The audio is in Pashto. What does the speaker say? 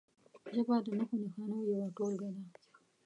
ژبه د نښو نښانو یوه ټولګه ده.